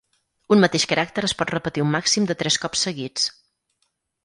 Un mateix caràcter es pot repetir un màxim de tres cops seguits.